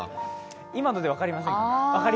今ので分かりませんか？